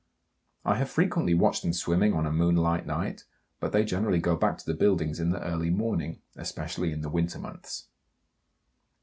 I have frequently watched them swimming on a moonlight night, but they generally go back to the buildings in the early morning, especially in the winter months.